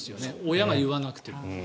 親が言わなくても。